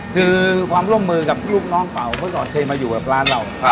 คือความร่วมมือกับลูกน้องเป่าเมื่อก่อนเคยมาอยู่กับร้านเรา